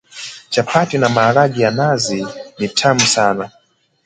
Chapati na maharagwe ya Nazi ni tamu sana.